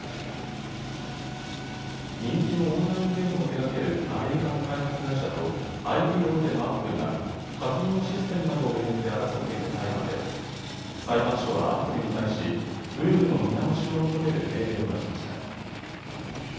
人気のオンラインゲームを手がけるアメリカの開発会社とＩＴ大手のアップルが課金のシステムなどを巡って争っていた裁判で裁判所はアップルに対しルールの見直しを求める命令を出しました。